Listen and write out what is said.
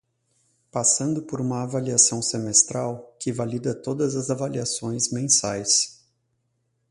Passando por uma avaliação semestral, que valida todas as avaliações mensais